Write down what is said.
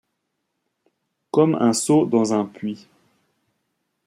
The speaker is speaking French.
Comme un seau dans un puits.